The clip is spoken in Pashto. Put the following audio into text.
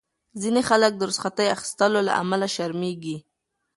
ځینې خلک د رخصتۍ اخیستو له امله شرمېږي.